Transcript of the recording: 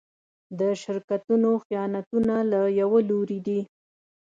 د شرکتونو خیانتونه له يوه لوري دي.